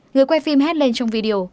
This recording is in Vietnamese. người quay phim hét lên trong video